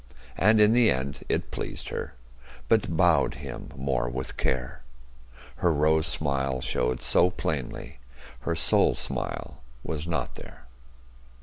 And in the end it pleased her, But bowed him more with care. Her rose smile showed so plainly, Her soul smile was not there.